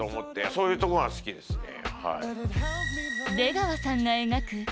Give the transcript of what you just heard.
そういうとこが好きですね。